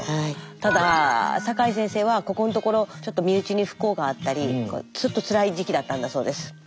ただ酒井先生はここのところちょっと身内に不幸があったりずっとつらい時期だったんだそうです。